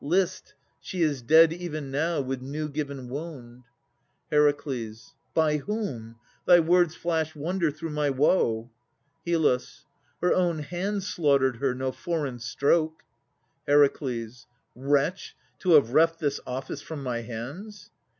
List! She is dead even now with new given wound. HER. By whom? Thy words flash wonder through my woe. HYL. Her own hand slaughtered her, no foreign stroke. HER. Wretch! to have reft this office from my hands.